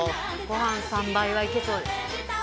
ご飯３杯はいけそうです。